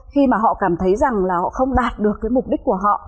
khi mà họ cảm thấy rằng là họ không đạt được cái mục đích của họ